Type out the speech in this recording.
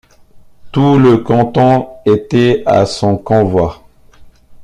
Tout le canton était à son convoi.